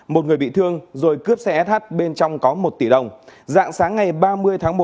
một người bị thương rồi cướp xe sh bên trong có một tỷ đồng dạng sáng ngày ba mươi tháng một